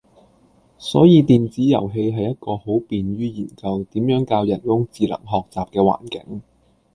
所以電子遊戲係一個好便於研究點樣教人工智能學習嘅環境